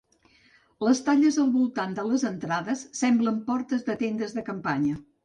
Les talles al voltant de les entrades semblen portes de tendes de campanya.